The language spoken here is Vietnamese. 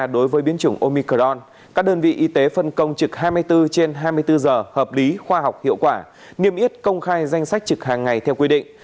đối với biến chủng omicron các đơn vị y tế phân công trực hai mươi bốn trên hai mươi bốn giờ hợp lý khoa học hiệu quả niêm yết công khai danh sách trực hàng ngày theo quy định